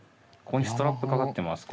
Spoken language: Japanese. ここにストラップかかってます。